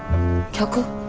客？